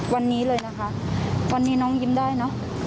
วันนี้เลยนะคะวันนี้น้องยิ้มได้เนอะ